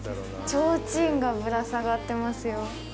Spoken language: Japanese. ちょうちんがぶら下がってますよ。